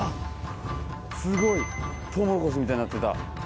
すごい！トウモロコシみたいになってた。